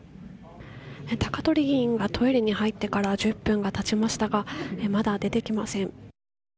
高鳥議員がトイレに入ってから１０分が経ちましたがまだ出てきません。